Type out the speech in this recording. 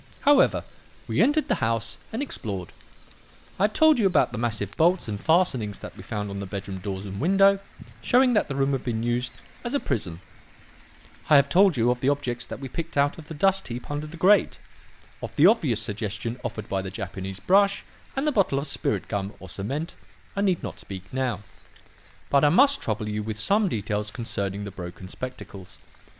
"However, we entered the house and explored. I have told you about the massive bolts and fastenings that we found on the bedroom doors and window, showing that the room had been used as a prison. I have told you of the objects that we picked out of the dust heap under the grate. Of the obvious suggestion offered by the Japanese brush and the bottle of 'spirit gum' or cement, I need not speak now; but I must trouble you with some details concerning the broken spectacles.